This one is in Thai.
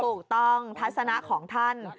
ถูกต้องทัศนะของท่าน